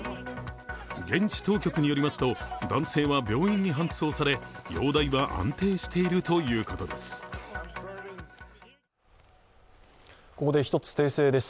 現地当局によりますと、男性は病院に搬送され容体は安定しているということです。